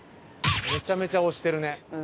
めちゃめちゃ推してるね。